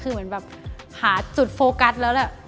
คือเหมือนแบบหาจุดโฟกัสแล้วแหละ